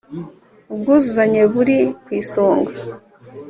ubwuzuzanye buri ku isonga